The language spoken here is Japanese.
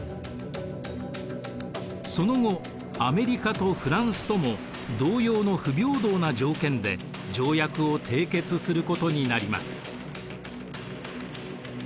その後アメリカとフランスとも同様の不平等な条件で条約を締結することになります。